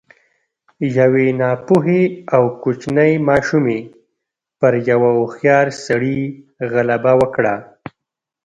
يوې ناپوهې او کوچنۍ ماشومې پر يوه هوښيار سړي غلبه وکړه.